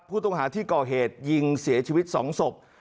ผู้ต้องหาที่ก่อเหตุยิงเสียชีวิต๒ศพ